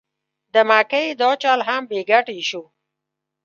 د مکۍ دا چل هم بې ګټې شو.